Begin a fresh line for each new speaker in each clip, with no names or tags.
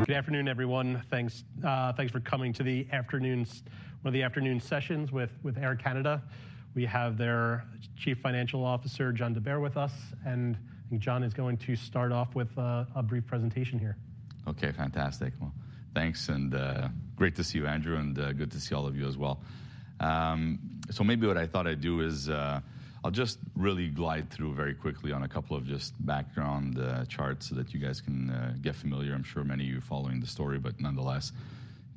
Good afternoon, everyone. Thanks, thanks for coming to the afternoon's, one of the afternoon sessions with Air Canada. We have their Chief Financial Officer, John Di Bert, with us, and I think John is going to start off with a brief presentation here.
Okay, fantastic. Well, thanks, and great to see you, Andrew, and good to see all of you as well. So maybe what I thought I'd do is, I'll just really glide through very quickly on a couple of just background charts so that you guys can get familiar. I'm sure many of you are following the story, but nonetheless,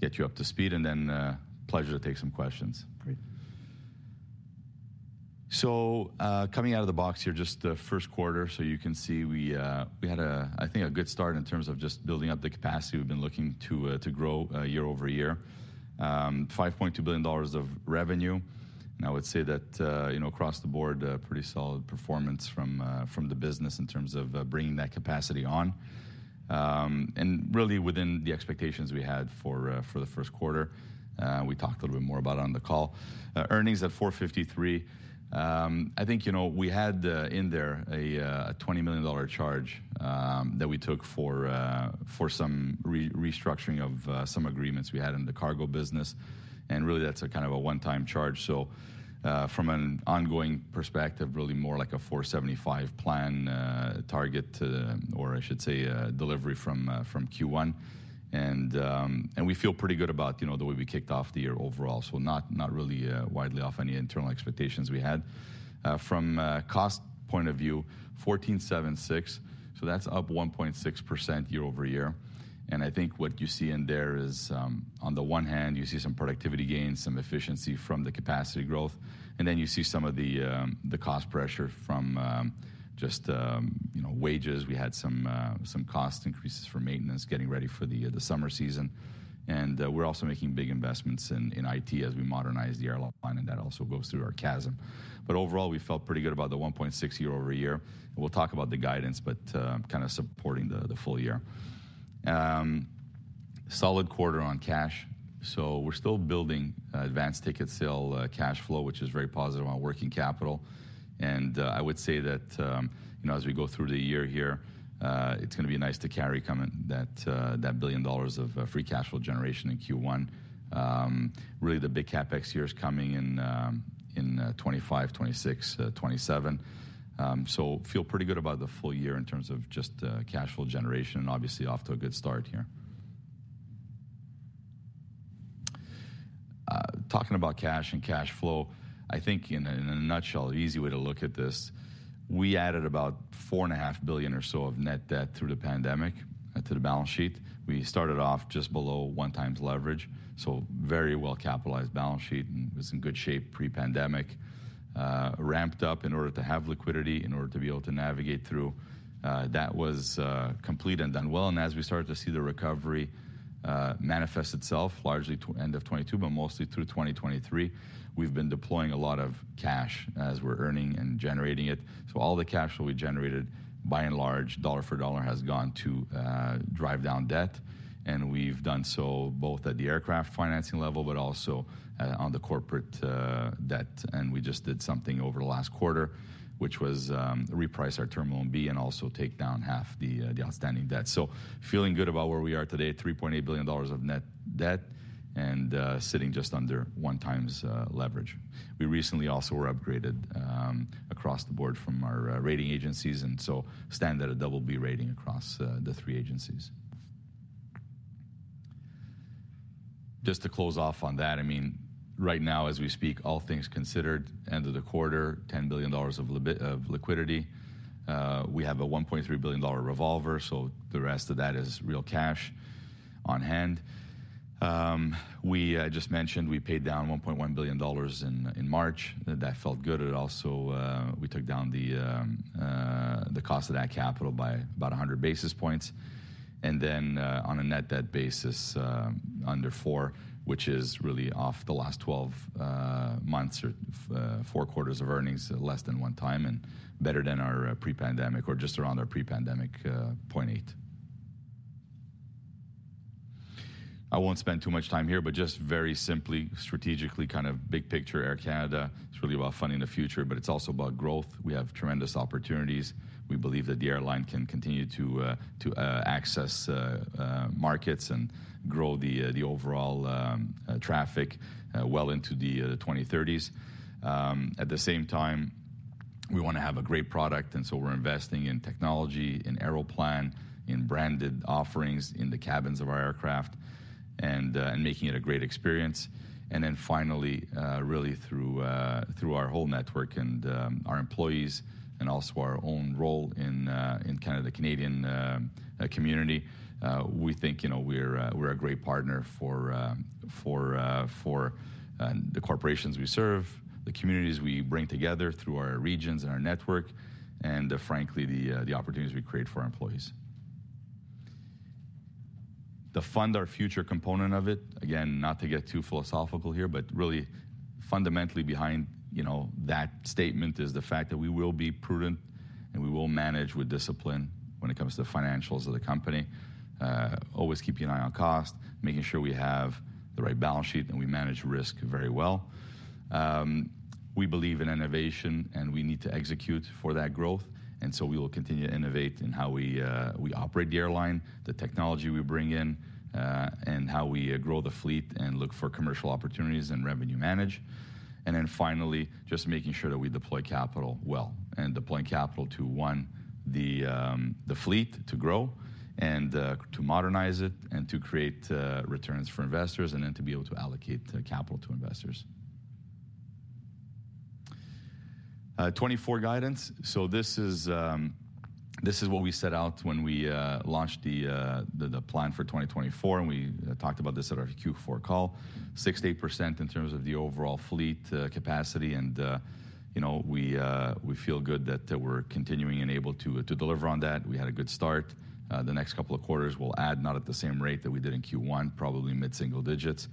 get you up to speed, and then pleasure to take some questions.
Great.
So, coming out of the box here, just the first quarter. So you can see we, we had a, I think, a good start in terms of just building up the capacity. We've been looking to, to grow, year-over-year. 5.2 billion dollars of revenue, and I would say that, you know, across the board, a pretty solid performance from, from the business in terms of, bringing that capacity on. And really within the expectations we had for, for the first quarter, we talked a little bit more about it on the call. Earnings at 453. I think, you know, we had in there a 20 million dollar charge that we took for some restructuring of some agreements we had in the cargo business, and really, that's a kind of a one-time charge. So, from an ongoing perspective, really more like a 475 million plan target to, or I should say, a delivery from Q1. And we feel pretty good about, you know, the way we kicked off the year overall, so not really widely off any internal expectations we had. From a cost point of view, 14.76, so that's up 1.6% year-over-year. I think what you see in there is, on the one hand, you see some productivity gains, some efficiency from the capacity growth, and then you see some of the cost pressure from just, you know, wages. We had some cost increases for maintenance, getting ready for the summer season. We're also making big investments in IT as we modernize the airline, and that also goes through our CASM. But overall, we felt pretty good about the 1.6 year-over-year, and we'll talk about the guidance, but kind of supporting the full year. Solid quarter on cash. So we're still building advance ticket sale cash flow, which is very positive on working capital. I would say that, you know, as we go through the year here, it's gonna be nice to carry coming that 1 billion dollars of free cash flow generation in Q1. Really, the big CapEx year is coming in 2025, 2026, 2027. So feel pretty good about the full year in terms of just cash flow generation, and obviously off to a good start here. Talking about cash and cash flow, I think in a nutshell, easy way to look at this, we added about 4.5 billion or so of net debt through the pandemic into the balance sheet. We started off just below 1x leverage, so very well-capitalized balance sheet and was in good shape pre-pandemic. Ramped up in order to have liquidity, in order to be able to navigate through. That was complete and done well, and as we started to see the recovery manifest itself largely to end of 2022, but mostly through 2023, we've been deploying a lot of cash as we're earning and generating it. So all the cash flow we generated, by and large, dollar for dollar, has gone to drive down debt, and we've done so both at the aircraft financing level, but also on the corporate debt. And we just did something over the last quarter, which was reprice our Term Loan B and also take down half the outstanding debt. So feeling good about where we are today, 3.8 billion dollars of net debt and sitting just under 1x leverage. We recently also were upgraded across the board from our rating agencies, and so stand at a double B rating across the three agencies. Just to close off on that, I mean, right now, as we speak, all things considered, end of the quarter, 10 billion dollars of liquidity. We have a 1.3 billion dollar revolver, so the rest of that is real cash on hand. We, I just mentioned, we paid down 1.1 billion dollars in March. That felt good. It also... We took down the cost of that capital by about 100 basis points. And then, on a net debt basis, under four, which is really off the last 12 months or four quarters of earnings, less than 1x, and better than our pre-pandemic or just around our pre-pandemic 0.8. I won't spend too much time here, but just very simply, strategically, kind of big picture Air Canada, it's really about funding the future, but it's also about growth. We have tremendous opportunities. We believe that the airline can continue to access markets and grow the overall traffic well into the 2030s. At the same time, we want to have a great product, and so we're investing in technology, in Aeroplan, in branded offerings, in the cabins of our aircraft, and making it a great experience. And then finally, really through our whole network and, our employees and also our own role in kind of the Canadian community, we think, you know, we're a great partner for the corporations we serve, the communities we bring together through our regions and our network, and frankly, the opportunities we create for our employees. To fund our future component of it, again, not to get too philosophical here, but really fundamentally behind, you know, that statement is the fact that we will be prudent, and we will manage with discipline when it comes to the financials of the company. Always keeping an eye on cost, making sure we have the right balance sheet, and we manage risk very well. We believe in innovation, and we need to execute for that growth, and so we will continue to innovate in how we, we operate the airline, the technology we bring in, and how we grow the fleet and look for commercial opportunities and revenue manage. And then finally, just making sure that we deploy capital well, and deploying capital to, one, the fleet to grow and to modernize it, and to create returns for investors, and then to be able to allocate capital to investors. 2024 guidance. So this is, this is what we set out when we launched the, the plan for 2024, and we talked about this at our Q4 call. 6%-8% in terms of the overall fleet capacity and, you know, we feel good that we're continuing and able to deliver on that. We had a good start. The next couple of quarters, we'll add not at the same rate that we did in Q1, probably mid-single digits.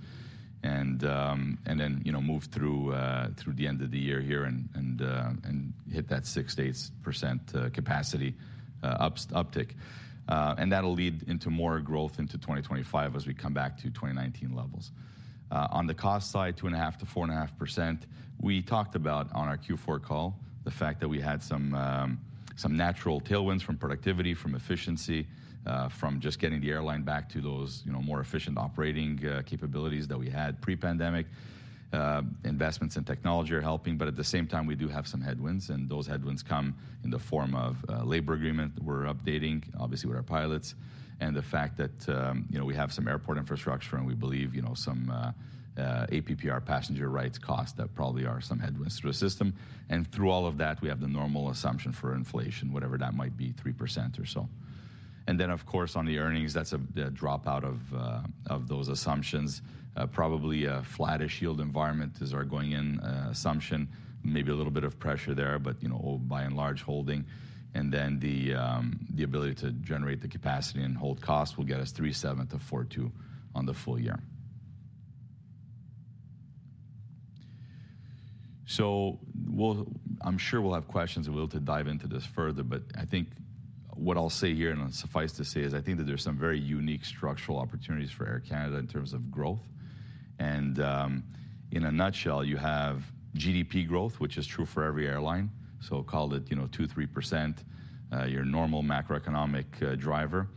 Then, you know, move through the end of the year here and hit that 6%-8% capacity uptick. That'll lead into more growth into 2025 as we come back to 2019 levels. On the cost side, 2.5%-4.5%, we talked about on our Q4 call, the fact that we had some natural tailwinds from productivity, from efficiency, from just getting the airline back to those, you know, more efficient operating capabilities that we had pre-pandemic. Investments in technology are helping, but at the same time, we do have some headwinds, and those headwinds come in the form of a labor agreement that we're updating, obviously, with our pilots, and the fact that, you know, we have some airport infrastructure, and we believe, you know, some APPR passenger rights costs that probably are some headwinds through the system. Through all of that, we have the normal assumption for inflation, whatever that might be, 3% or so. And then, of course, on the earnings, that's the dropout of those assumptions. Probably a flattish yield environment is our going-in assumption. Maybe a little bit of pressure there, but, you know, by and large, holding. And then the ability to generate the capacity and hold costs will get us 37-42 on the full year. So we'll... I'm sure we'll have questions, and we'll be able to dive into this further, but I think what I'll say here, and suffice to say, is I think that there's some very unique structural opportunities for Air Canada in terms of growth. And, in a nutshell, you have GDP growth, which is true for every airline, so call it, you know, 2%-3%, your normal macroeconomic driver.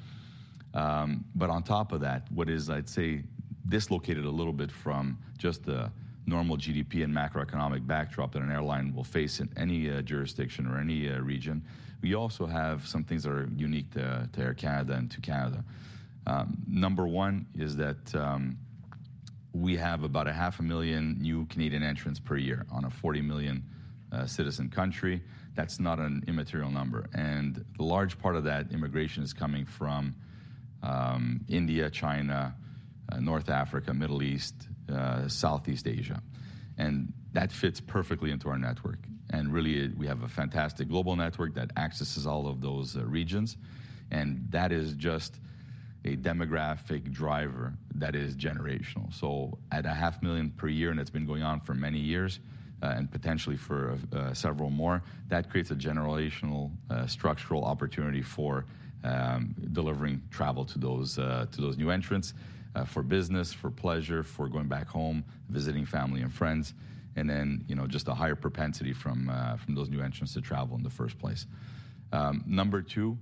But on top of that, what is, I'd say, dislocated a little bit from just the normal GDP and macroeconomic backdrop that an airline will face in any jurisdiction or any region, we also have some things that are unique to Air Canada and to Canada. Number one is that we have about 500,000 new Canadian entrants per year on a 40 million citizen country. That's not an immaterial number. And the large part of that immigration is coming from India, China, North Africa, Middle East, Southeast Asia, and that fits perfectly into our network. And really, we have a fantastic global network that accesses all of those regions, and that is just a demographic driver that is generational. So at 500,000 per year, and it's been going on for many years, and potentially for several more, that creates a generational structural opportunity for delivering travel to those to those new entrants for business, for pleasure, for going back home, visiting family and friends, and then, you know, just a higher propensity from from those new entrants to travel in the first place. Number two,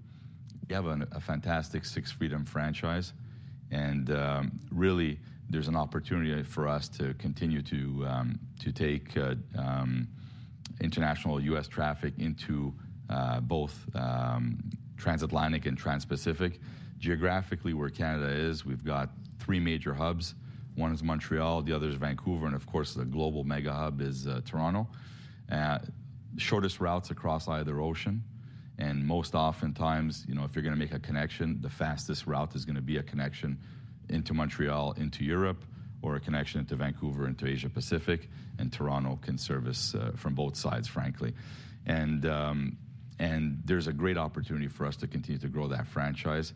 we have a a fantastic Sixth Freedom franchise, and really, there's an opportunity for us to continue to to take international U.S. traffic into both transatlantic and transpacific. Geographically, where Canada is, we've got three major hubs. One is Montreal, the other is Vancouver, and of course, the global mega hub is Toronto. Shortest routes across either ocean, and most often times, you know, if you're gonna make a connection, the fastest route is gonna be a connection into Montreal, into Europe, or a connection into Vancouver, into Asia Pacific, and Toronto can service from both sides, frankly. And, and there's a great opportunity for us to continue to grow that franchise.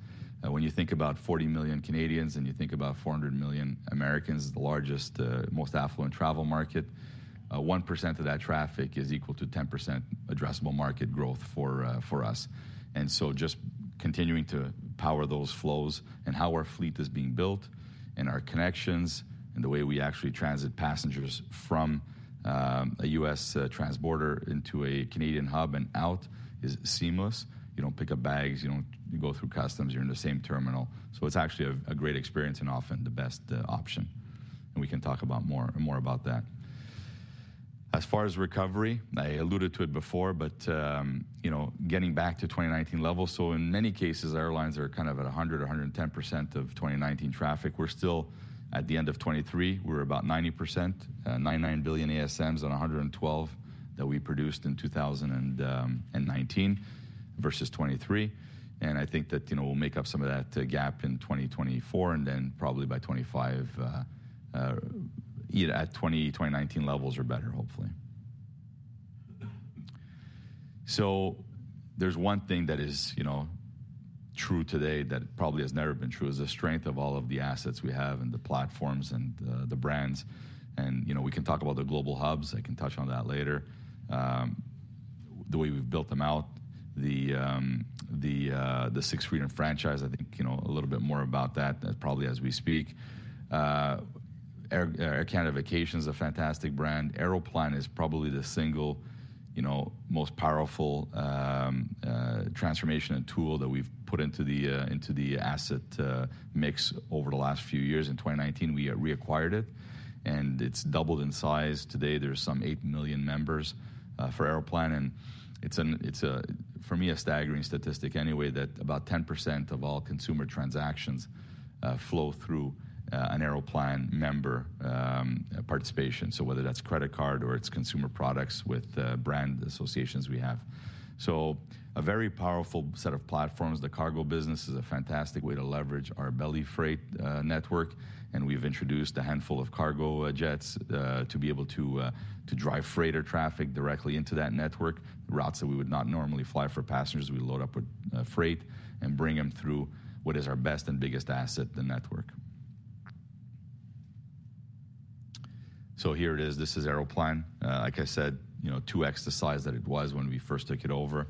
When you think about 40 million Canadians, and you think about 400 million Americans, the largest, most affluent travel market, 1% of that traffic is equal to 10% addressable market growth for, for us. And so just continuing to power those flows and how our fleet is being built and our connections and the way we actually transit passengers from a U.S. transborder into a Canadian hub and out is seamless. You don't pick up bags. You don't... You go through customs. You're in the same terminal. So it's actually a great experience and often the best option, and we can talk about more about that. As far as recovery, I alluded to it before, but you know, getting back to 2019 levels, so in many cases, airlines are kind of at 110% of 2019 traffic. We're still, at the end of 2023, we're about 90%, 99 billion ASMs on 112 that we produced in 2019 versus 2023. And I think that, you know, we'll make up some of that gap in 2024, and then probably by 2025, either at 2019 levels or better, hopefully. So there's one thing that is, you know, true today that probably has never been true, is the strength of all of the assets we have and the platforms and, the brands, and, you know, we can talk about the global hubs. I can touch on that later. The way we've built them out, the, the Sixth Freedom franchise, I think, you know, a little bit more about that, probably as we speak. Air Canada Vacations is a fantastic brand. Aeroplan is probably the single, you know, most powerful, transformation and tool that we've put into the, into the asset, mix over the last few years. In 2019, we, reacquired it, and it's doubled in size. Today, there's some 8 million members for Aeroplan, and it's a, for me, a staggering statistic anyway, that about 10% of all consumer transactions flow through an Aeroplan member participation, so whether that's credit card or it's consumer products with brand associations we have. So a very powerful set of platforms. The cargo business is a fantastic way to leverage our belly freight network, and we've introduced a handful of cargo jets to be able to drive freighter traffic directly into that network, routes that we would not normally fly for passengers. We load up with freight and bring them through what is our best and biggest asset, the network. So here it is. This is Aeroplan. Like I said, you know, 2x the size that it was when we first took it over.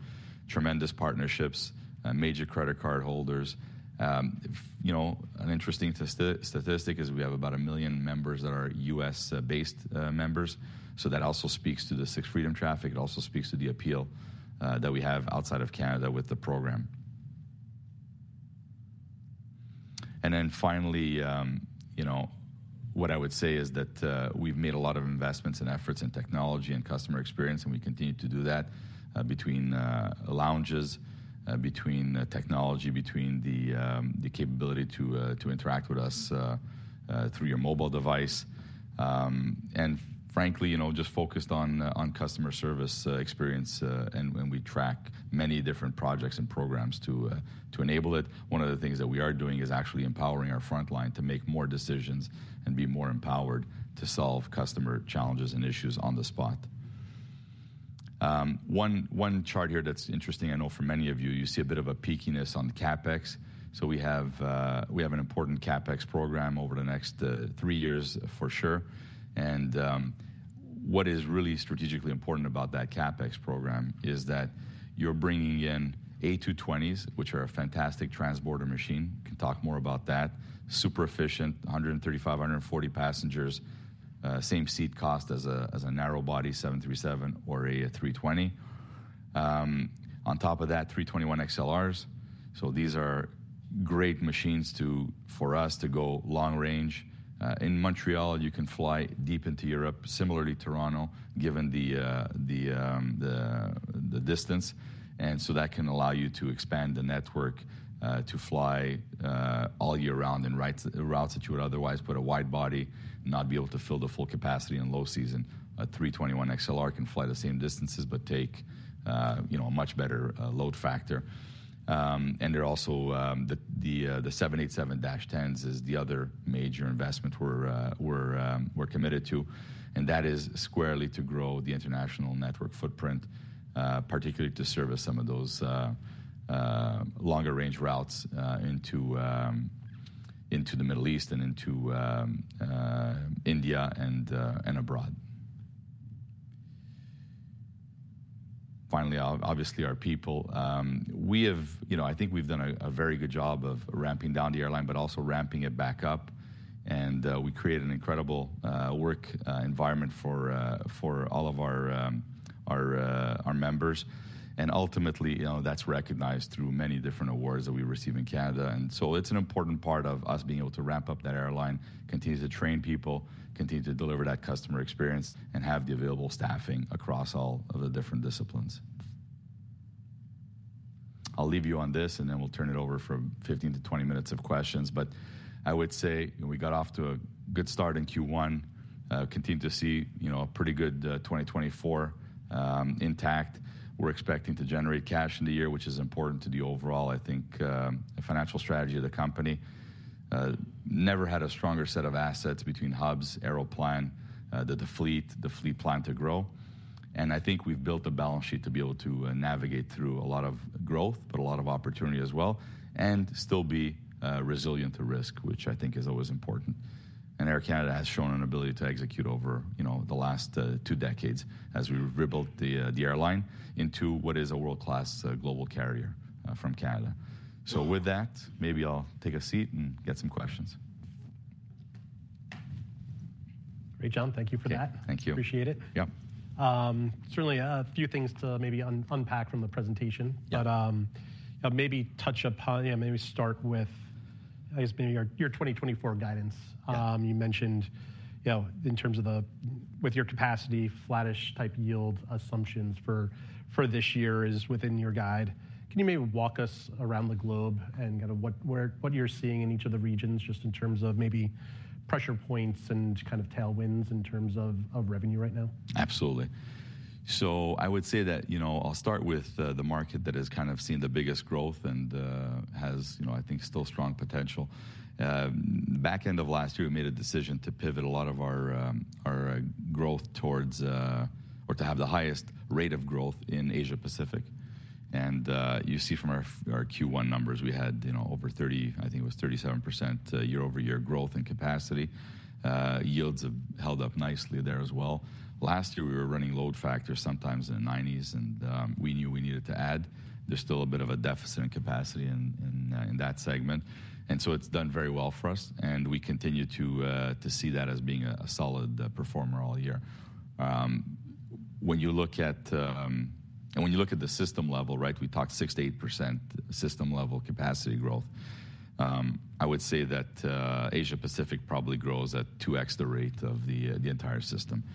Tremendous partnerships, major credit card holders. You know, an interesting statistic is we have about 1 million members that are U.S.-based, members, so that also speaks to the Sixth Freedom traffic. It also speaks to the appeal, that we have outside of Canada with the program. And then finally, you know, what I would say is that, we've made a lot of investments and efforts in technology and customer experience, and we continue to do that, between, lounges, between the technology, between the, the capability to, to interact with us, through your mobile device. And frankly, you know, just focused on, on customer service, experience, and, and we track many different projects and programs to, to enable it. One of the things that we are doing is actually empowering our frontline to make more decisions and be more empowered to solve customer challenges and issues on the spot. One chart here that's interesting. I know for many of you, you see a bit of a peakiness on CapEx. So we have, we have an important CapEx program over the next three years, for sure. And what is really strategically important about that CapEx program is that you're bringing in A220s, which are a fantastic transborder machine. Can talk more about that. Super efficient, 135, 140 passengers, same seat cost as a, as a narrow body 737 or a 320. On top of that, 321 XLRs, so these are great machines to, for us to go long range. In Montreal, you can fly deep into Europe, similarly, Toronto, given the, the distance, and so that can allow you to expand the network, to fly, all year round in rights, routes that you would otherwise put a wide body, not be able to fill the full capacity in low season. A321XLR can fly the same distances but take, you know, a much better load factor. And they're also, the, the, the 787-10s is the other major investment we're, we're, we're committed to, and that is squarely to grow the international network footprint, particularly to service some of those, longer-range routes, into, into the Middle East and into, India and, and abroad. Finally, obviously, our people. We have... You know, I think we've done a very good job of ramping down the airline but also ramping it back up, and we created an incredible work environment for all of our members, and ultimately, you know, that's recognized through many different awards that we receive in Canada. So it's an important part of us being able to ramp up that airline, continue to train people, continue to deliver that customer experience, and have the available staffing across all of the different disciplines. I'll leave you on this, and then we'll turn it over for 15-20 minutes of questions, but I would say we got off to a good start in Q1. Continue to see, you know, a pretty good 2024 intact. We're expecting to generate cash in the year, which is important to the overall, I think, the financial strategy of the company. Never had a stronger set of assets between hubs, Aeroplan, the fleet, the fleet plan to grow, and I think we've built a balance sheet to be able to navigate through a lot of growth, but a lot of opportunity as well, and still be resilient to risk, which I think is always important. And Air Canada has shown an ability to execute over, you know, the last two decades as we rebuilt the airline into what is a world-class global carrier from Canada. So with that, maybe I'll take a seat and get some questions.
Great, John. Thank you for that.
Yeah, thank you.
Appreciate it.
Yep.
Certainly, a few things to maybe unpack from the presentation.
Yeah.
Maybe touch upon... Yeah, maybe start with, I guess, maybe your 2024 guidance.
Yeah.
You mentioned, you know, in terms of the, with your capacity, flattish type yield assumptions for this year is within your guide. Can you maybe walk us around the globe and kind of what you're seeing in each of the regions, just in terms of maybe pressure points and kind of tailwinds in terms of revenue right now?
Absolutely. So I would say that, you know, I'll start with the market that has kind of seen the biggest growth and has, you know, I think, still strong potential. Back end of last year, we made a decision to pivot a lot of our growth towards or to have the highest rate of growth in Asia Pacific, and you see from our Q1 numbers, we had, you know, over 30, I think it was 37%, year-over-year growth in capacity. Yields have held up nicely there as well. Last year, we were running load factors sometimes in the 90s, and we knew we needed to add. There's still a bit of a deficit in capacity in that segment, and so it's done very well for us, and we continue to see that as being a solid performer all year. When you look at the system level, right, we talked 6%-8% system-level capacity growth. I would say that Asia Pacific probably grows at 2x the rate of the entire system.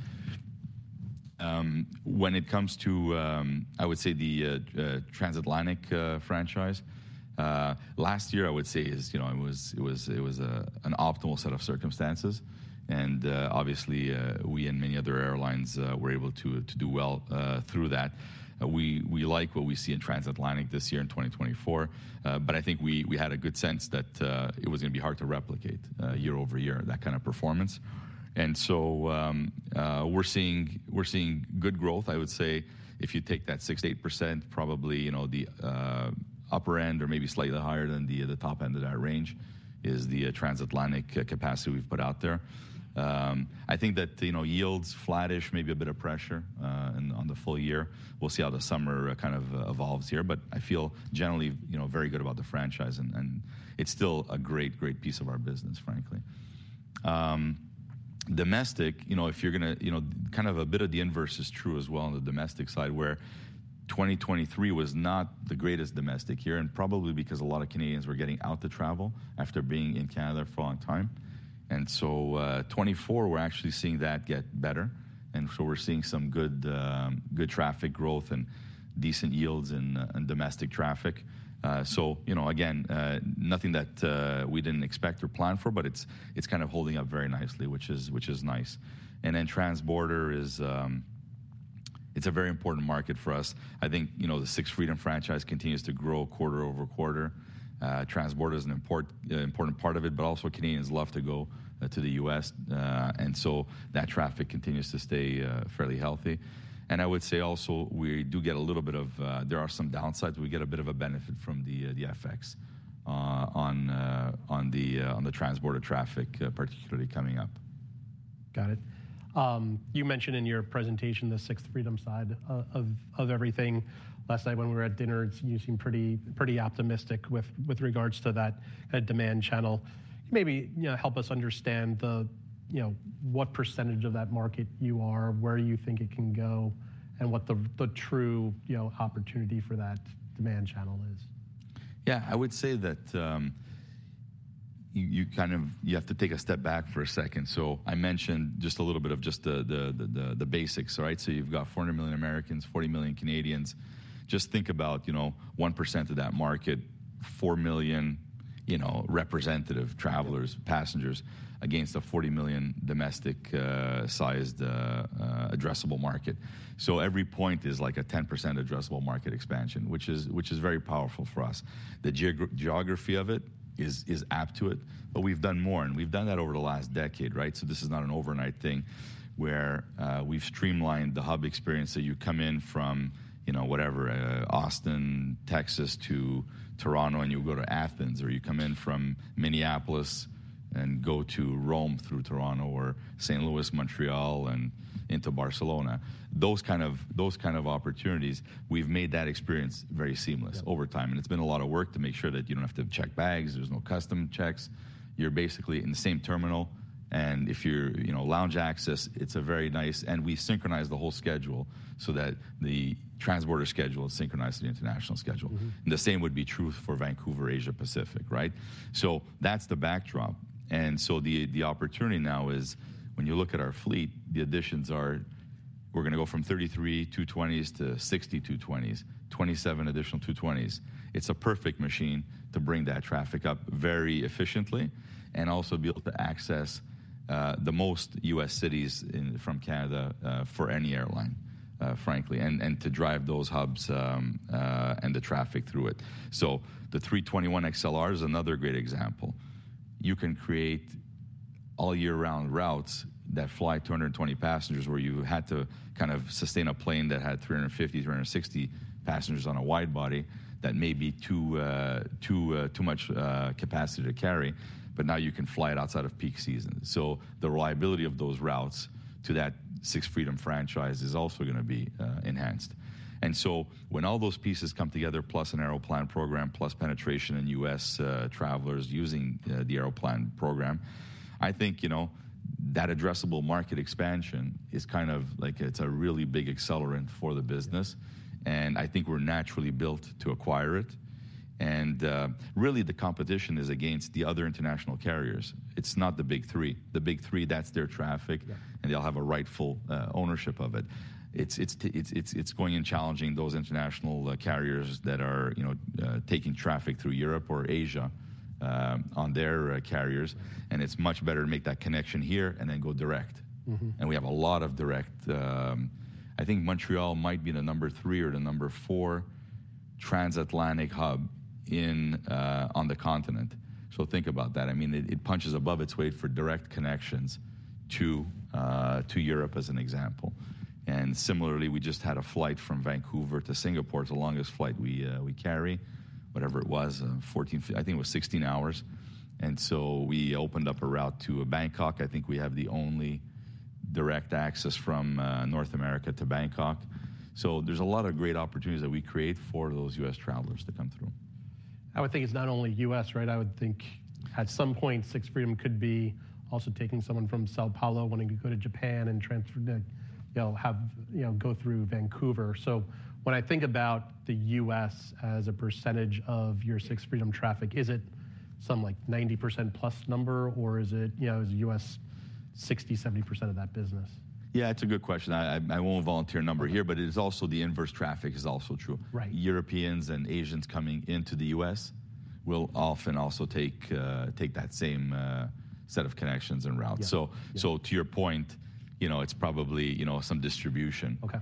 When it comes to, I would say, the transatlantic franchise last year, I would say, is, you know, it was an optimal set of circumstances, and obviously, we and many other airlines were able to do well through that. We, we like what we see in Transatlantic this year in 2024, but I think we, we had a good sense that it was going to be hard to replicate year-over-year that kind of performance. And so, we're seeing, we're seeing good growth. I would say, if you take that 6%-8%, probably, you know, the upper end or maybe slightly higher than the top end of that range is the Transatlantic capacity we've put out there. I think that, you know, yields flattish, maybe a bit of pressure in on the full year. We'll see how the summer kind of evolves here, but I feel generally, you know, very good about the franchise, and it's still a great, great piece of our business, frankly. Domestic, you know, if you're gonna... You know, kind of a bit of the inverse is true as well on the domestic side, where 2023 was not the greatest domestic year, and probably because a lot of Canadians were getting out to travel after being in Canada for a long time. And so, 2024, we're actually seeing that get better, and so we're seeing some good good traffic growth and decent yields in in domestic traffic. So, you know, again, nothing that we didn't expect or plan for, but it's, it's kind of holding up very nicely, which is, which is nice. And then transborder is, it's a very important market for us. I think, you know, the Sixth Freedom franchise continues to grow quarter-over-quarter. Transborder is an important part of it, but also Canadians love to go to the U.S. And so that traffic continues to stay fairly healthy. And I would say also, we do get a little bit of... There are some downsides. We get a bit of a benefit from the FX on the transborder traffic, particularly coming up.
Got it. You mentioned in your presentation the sixth freedom side of everything. Last night, when we were at dinner, you seemed pretty optimistic with regards to that demand channel. Maybe, you know, help us understand the, you know, what percentage of that market you are, where you think it can go, and what the true, you know, opportunity for that demand channel is.
Yeah, I would say that, you kind of, you have to take a step back for a second. So I mentioned just a little bit of just the basics, right? So you've got 400 million Americans, 40 million Canadians. Just think about, you know, 1% of that market, 4 million, you know, representative travelers, passengers, against a 40 million domestic sized addressable market. So every point is like a 10% addressable market expansion, which is very powerful for us. The geography of it is apt to it, but we've done more, and we've done that over the last decade, right? So this is not an overnight thing, where we've streamlined the hub experience, so you come in from, you know, whatever, Austin, Texas, to Toronto, and you go to Athens, or you come in from Minneapolis and go to Rome through Toronto or St. Louis, Montreal, and into Barcelona. Those kind of, those kind of opportunities, we've made that experience very seamless-
Yeah....
over time, and it's been a lot of work to make sure that you don't have to check bags. There's no customs checks. You're basically in the same terminal, and if you're, you know, lounge access, it's a very nice... And we synchronize the whole schedule so that the transborder schedule is synchronized to the international schedule.
Mm-hmm.
The same would be true for Vancouver, Asia Pacific, right? So that's the backdrop, and so the opportunity now is, when you look at our fleet, the additions are, we're gonna go from 33 220s to 60 220s, 27 additional 220s. It's a perfect machine to bring that traffic up very efficiently and also be able to access, the most US cities in, from Canada, for any airline, frankly, and, and to drive those hubs, and the traffic through it. So the 321XLR is another great example. You can create all year-round routes that fly 220 passengers, where you had to kind of sustain a plane that had 350, 360 passengers on a wide body that may be too much capacity to carry, but now you can fly it outside of peak season. So the reliability of those routes to that sixth freedom franchise is also gonna be enhanced. And so when all those pieces come together, plus an Aeroplan program, plus penetration in U.S. travelers using the Aeroplan program, I think, you know, that addressable market expansion is kind of like it's a really big accelerant for the business, and I think we're naturally built to acquire it. And really, the competition is against the other international carriers. It's not the Big Three. The Big Three, that's their traffic-
Yeah....
and they'll have a rightful ownership of it. It's going and challenging those international carriers that are, you know, taking traffic through Europe or Asia on their carriers, and it's much better to make that connection here and then go direct.
Mm-hmm.
And we have a lot of direct. I think Montreal might be the number three or the number four transatlantic hub in on the continent. So think about that. I mean, it punches above its weight for direct connections to to Europe, as an example. And similarly, we just had a flight from Vancouver to Singapore. It's the longest flight we carry, whatever it was, 14... I think it was 16 hours, and so we opened up a route to Bangkok. I think we have the only direct access from North America to Bangkok. So there's a lot of great opportunities that we create for those US travelers that come through.
I would think it's not only U.S., right? I would think at some point, Sixth Freedom could be also taking someone from São Paulo wanting to go to Japan and transfer, you know, go through Vancouver. So when I think about the U.S. as a percentage of your Sixth Freedom traffic, is it some, like, 90%-plus number, or is it, you know, is U.S. 60, 70% of that business?
Yeah, it's a good question. I won't volunteer a number here-
Okay.
But it is also the inverse. Traffic is also true.
Right.
Europeans and Asians coming into the U.S. will often also take that same set of connections and routes.
Yeah.
So to your point, you know, it's probably, you know, some distribution.
Okay.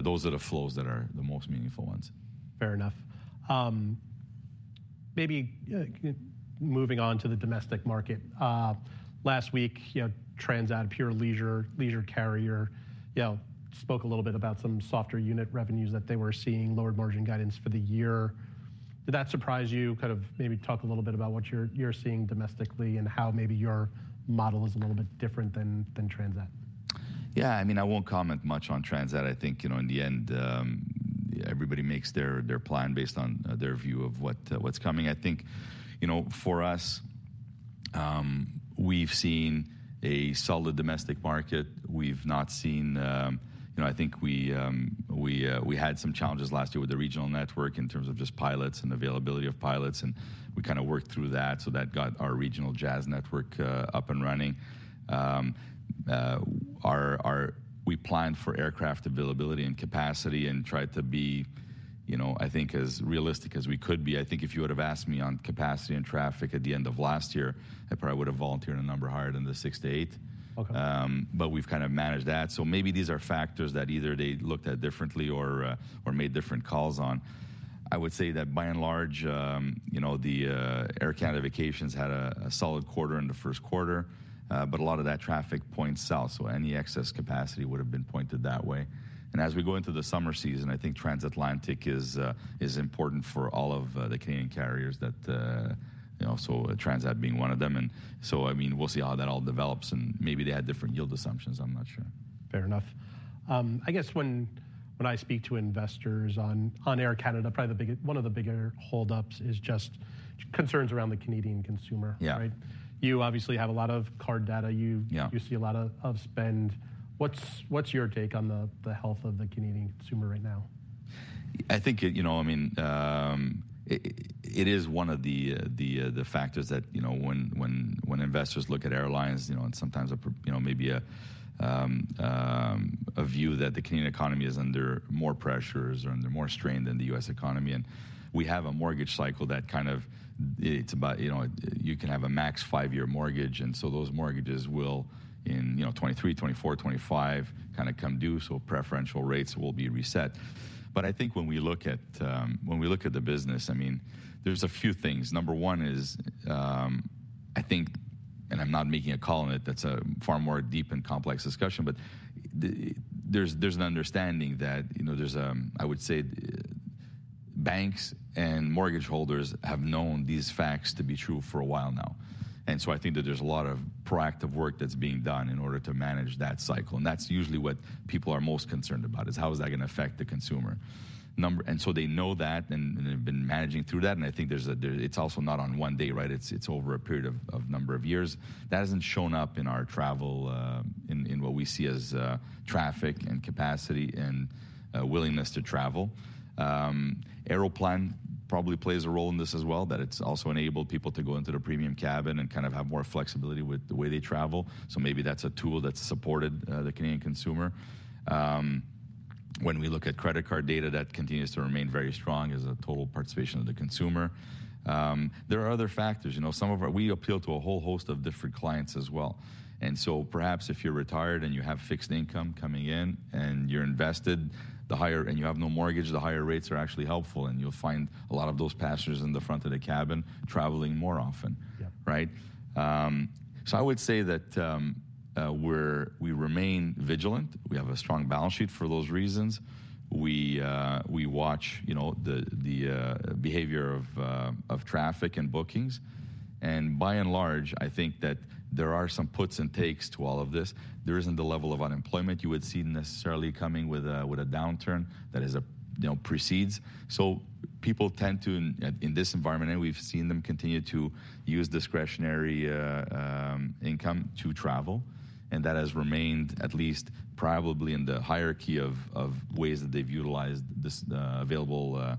Those are the flows that are the most meaningful ones.
Fair enough. Maybe, moving on to the domestic market. Last week, you know, Transat, a pure leisure, leisure carrier, you know, spoke a little bit about some softer unit revenues that they were seeing, lowered margin guidance for the year. Did that surprise you? Kind of maybe talk a little bit about what you're, you're seeing domestically, and how maybe your model is a little bit different than, than Transat.
Yeah, I mean, I won't comment much on Transat. I think, you know, in the end, everybody makes their plan based on their view of what's coming. I think, you know, for us, we've seen a solid domestic market. We've not seen... You know, I think we had some challenges last year with the regional network in terms of just pilots and availability of pilots, and we kind of worked through that, so that got our regional Jazz network up and running. We planned for aircraft availability and capacity and tried to be, you know, I think, as realistic as we could be. I think if you would've asked me on capacity and traffic at the end of last year, I probably would've volunteered a number higher than the sixth to eighth.
Okay.
But we've kind of managed that, so maybe these are factors that either they looked at differently or, or made different calls on. I would say that by and large, you know, the Air Canada Vacations had a solid quarter in the first quarter, but a lot of that traffic points south, so any excess capacity would've been pointed that way. And as we go into the summer season, I think transatlantic is important for all of the Canadian carriers that you know, so Transat being one of them. And so, I mean, we'll see how that all develops, and maybe they had different yield assumptions, I'm not sure.
Fair enough. I guess when I speak to investors on Air Canada, probably one of the bigger hold ups is just concerns around the Canadian consumer.
Yeah.
Right? You obviously have a lot of card data.
Yeah.
You see a lot of spend. What's your take on the health of the Canadian consumer right now?
I think, you know, I mean, it is one of the factors that, you know, when investors look at airlines, you know, and sometimes you know, maybe a view that the Canadian economy is under more pressures or under more strain than the U.S. economy. And we have a mortgage cycle that kind of... It's about, you know, you can have a max five-year mortgage, and so those mortgages will, in, you know, 2023, 2024, 2025, kind of come due, so preferential rates will be reset. But I think when we look at the business, I mean, there's a few things. Number one is, I think, and I'm not making a call on it, that's a far more deep and complex discussion, but there's an understanding that, you know, there's. I would say, banks and mortgage holders have known these facts to be true for a while now, and so I think that there's a lot of proactive work that's being done in order to manage that cycle, and that's usually what people are most concerned about, is how is that going to affect the consumer number? And so they know that, and they've been managing through that, and I think there's. It's also not on one day, right? It's over a period of a number of years. That hasn't shown up in our travel, in what we see as traffic and capacity and willingness to travel. Aeroplan probably plays a role in this as well, that it's also enabled people to go into the premium cabin and kind of have more flexibility with the way they travel, so maybe that's a tool that's supported the Canadian consumer. When we look at credit card data, that continues to remain very strong as a total participation of the consumer. There are other factors. You know, we appeal to a whole host of different clients as well, and so perhaps if you're retired and you have fixed income coming in, and you're invested, the higher, and you have no mortgage, the higher rates are actually helpful, and you'll find a lot of those passengers in the front of the cabin traveling more often.
Yeah.
Right? So I would say that, we remain vigilant. We have a strong balance sheet for those reasons. We watch, you know, the behavior of traffic and bookings, and by and large, I think that there are some puts and takes to all of this. There isn't the level of unemployment you would see necessarily coming with a downturn that is, you know, precedes. So people tend to, in this environment, and we've seen them continue to use discretionary income to travel, and that has remained at least probably in the hierarchy of ways that they've utilized this available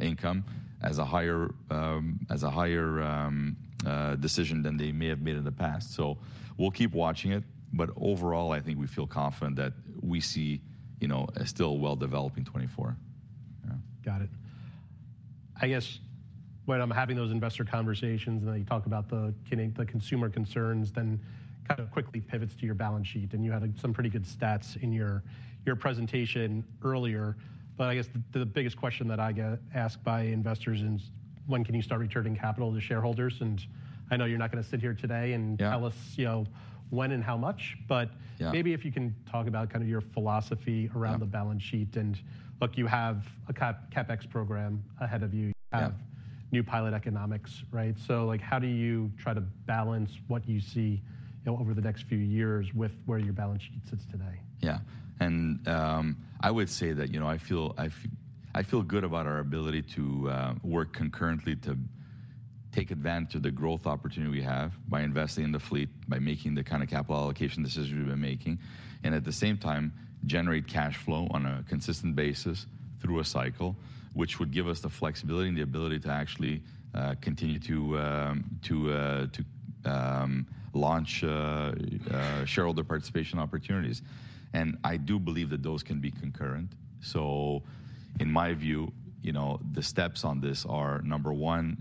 income as a higher decision than they may have made in the past. We'll keep watching it, but overall, I think we feel confident that we see, you know, a still well-developing 2024. Yeah.
Got it. I guess when I'm having those investor conversations, and then you talk about the consumer concerns, then kind of quickly pivots to your balance sheet, and you had, like, some pretty good stats in your, your presentation earlier. But I guess the, the biggest question that I get asked by investors is, "When can you start returning capital to shareholders?" And I know you're not gonna sit here today and-
Yeah.
Tell us, you know, when and how much.
Yeah.
Maybe if you can talk about kind of your philosophy-
Yeah.
around the balance sheet. And, look, you have a CapEx program ahead of you.
Yeah.
You have new pilot economics, right? So, like, how do you try to balance what you see, you know, over the next few years with where your balance sheet sits today?
Yeah. I would say that, you know, I feel good about our ability to work concurrently to take advantage of the growth opportunity we have by investing in the fleet, by making the kind of capital allocation decisions we've been making, and at the same time, generate cash flow on a consistent basis through a cycle, which would give us the flexibility and the ability to actually continue to launch shareholder participation opportunities, and I do believe that those can be concurrent. So in my view, you know, the steps on this are, number one,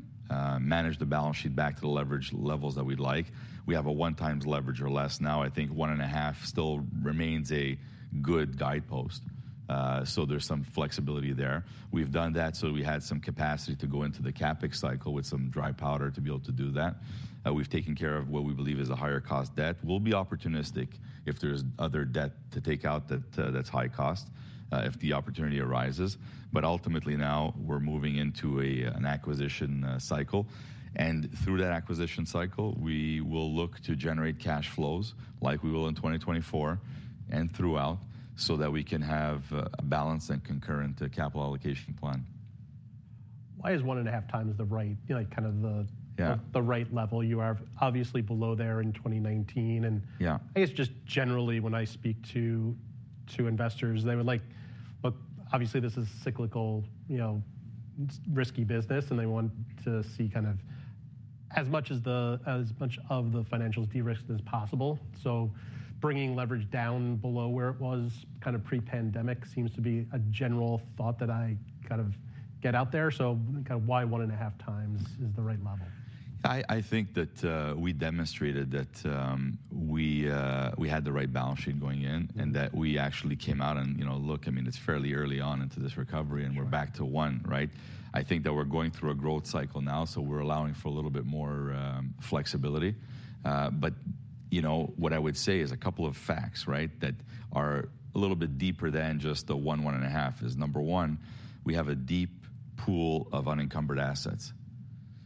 manage the balance sheet back to the leverage levels that we'd like. We have a 1x leverage or less now. I think 1.5 still remains a good guidepost. So there's some flexibility there. We've done that, so we had some capacity to go into the CapEx cycle with some dry powder to be able to do that. We've taken care of what we believe is a higher-cost debt. We'll be opportunistic if there's other debt to take out that, that's high cost, if the opportunity arises. But ultimately now we're moving into a, an acquisition cycle, and through that acquisition cycle, we will look to generate cash flows like we will in 2024 and throughout, so that we can have, a balanced and concurrent, capital allocation plan.
Why is 1.5 times the right... you know, like, kind of the-
Yeah....
the right level? You are obviously below there in 2019, and-
Yeah.
I guess just generally when I speak to investors, they would like... But obviously this is cyclical, you know, risky business, and they want to see kind of as much of the financials de-risked as possible. So bringing leverage down below where it was kind of pre-pandemic seems to be a general thought that I kind of get out there. So kind of why 1.5 times is the right level?
I think that we demonstrated that we had the right balance sheet going in-
Mm-hmm
...and that we actually came out, and, you know, look, I mean, it's fairly early on into this recovery, and we're-
Sure.....
back to one, right? I think that we're going through a growth cycle now, so we're allowing for a little bit more flexibility. But, you know, what I would say is a couple of facts, right? That are a little bit deeper than just the one, 1.5 is, number one, we have a deep pool of unencumbered assets.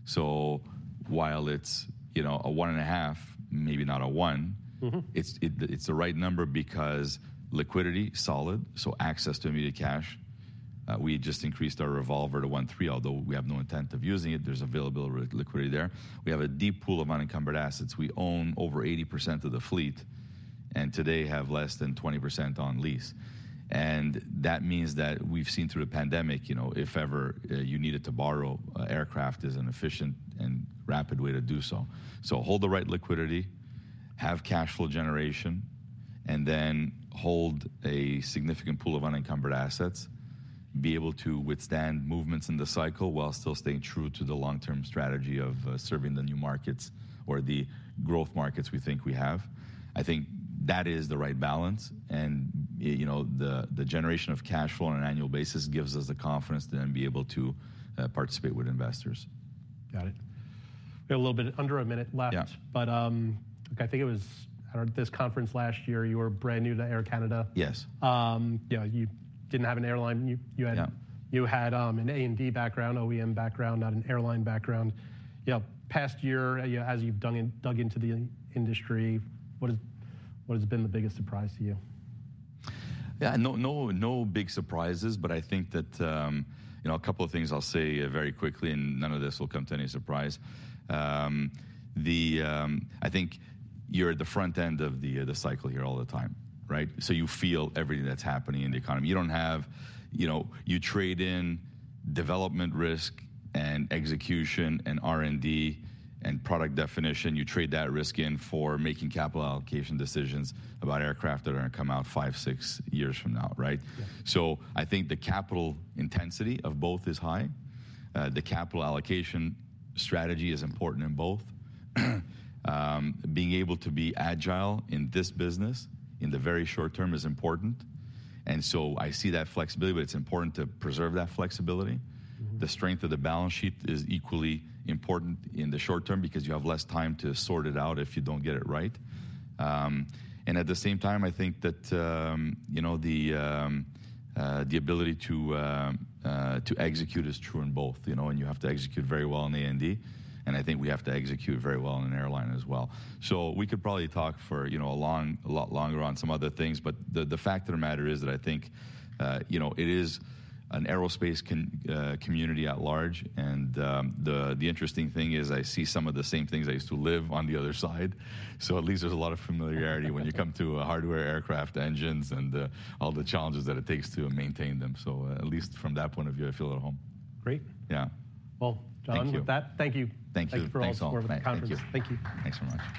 So while it's, you know, a 1.5, maybe not a one-
Mm-hmm....
it's the right number because liquidity solid, so access to immediate cash. We just increased our revolver to 1.3 billion, although we have no intent of using it, there's available liquidity there. We have a deep pool of unencumbered assets. We own over 80% of the fleet, and today have less than 20% on lease, and that means that we've seen through the pandemic, you know, if ever you needed to borrow, aircraft is an efficient and rapid way to do so. So hold the right liquidity, have cash flow generation, and then hold a significant pool of unencumbered assets. Be able to withstand movements in the cycle while still staying true to the long-term strategy of serving the new markets or the growth markets we think we have. I think that is the right balance, and you know, the generation of cash flow on an annual basis gives us the confidence to then be able to participate with investors.
Got it. We have a little bit under a minute left.
Yeah.
I think it was at this conference last year, you were brand new to Air Canada.
Yes.
You know, you didn't have an airline. You had-
Yeah....
you had an A&D background, OEM background, not an airline background. You know, past year, you know, as you've dug into the industry, what is, what has been the biggest surprise to you?
Yeah, no, no big surprises, but I think that, you know, a couple of things I'll say very quickly, and none of this will come to any surprise. I think you're at the front end of the cycle here all the time, right? So you feel everything that's happening in the economy. You don't have... You know, you trade in development risk, and execution, and R&D, and product definition, you trade that risk in for making capital allocation decisions about aircraft that are gonna come out five, six years from now, right?
Yeah.
I think the capital intensity of both is high. The capital allocation strategy is important in both. Being able to be agile in this business in the very short term is important, and so I see that flexibility, but it's important to preserve that flexibility.
Mm-hmm.
The strength of the balance sheet is equally important in the short term because you have less time to sort it out if you don't get it right. And at the same time, I think that, you know, the ability to execute is true in both, you know, and you have to execute very well in A&D, and I think we have to execute very well in an airline as well. So we could probably talk for, you know, a lot longer on some other things, but the fact of the matter is that I think, you know, it is an aerospace community at large, and the interesting thing is I see some of the same things. I used to live on the other side, so at least there's a lot of familiarity when you come to hardware, aircraft, engines, and all the challenges that it takes to maintain them. So, at least from that point of view, I feel at home.
Great.
Yeah.
Well, John-
Thank you....
with that, thank you.
Thank you.
Thank you for all your work-
Thanks....
at the conference.
Thank you.
Thank you.
Thanks so much.